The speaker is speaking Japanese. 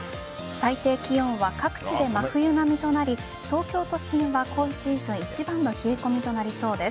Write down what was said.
最低気温は各地で真冬並みとなり東京都心は今シーズン一番の冷え込みとなりそうです。